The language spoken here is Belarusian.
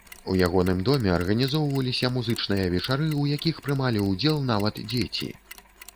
У ягоным доме арганізоўваліся музычныя вечары, у якіх прымалі ўдзел нават дзеці.